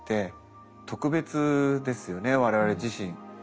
ですよね我々自身。